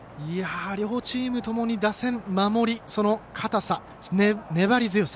両チームともに打線守り、その堅さ。